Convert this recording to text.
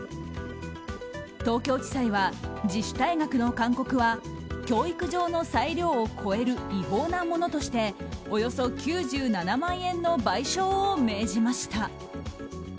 東京地裁は、自主退学の勧告は教育上の裁量を超える違法なものとしておよそ９７万円の賠償を命じました。